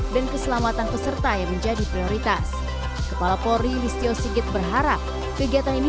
dan keselamatan peserta yang menjadi prioritas kepala polri listio sigit berharap kegiatan ini